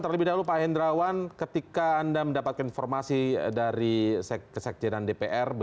terlebih dahulu pak hendrawan ketika anda mendapatkan informasi dari kesekjenan dpr